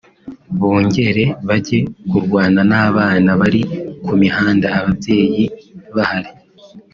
bongere bajye kurwana n’abana bari ku mihanda ababyeyi bahari